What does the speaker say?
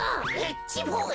Ｈボーイ。